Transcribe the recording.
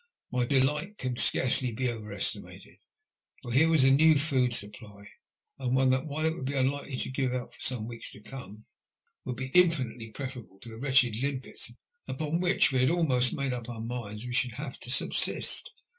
My delight can scarcely be overestimated, for here was a new food supply, and one that, while it would be unlikely to give out for some weeks to come, would be infinitely pre ferable to the wretched limpets upon which we had almost made up our minds we should have to subsist.